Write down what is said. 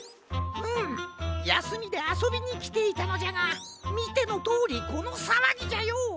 うむやすみであそびにきていたのじゃがみてのとおりこのさわぎじゃよ。